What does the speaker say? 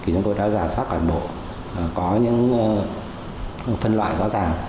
chúng tôi đã giả soát toàn bộ có những phân loại rõ ràng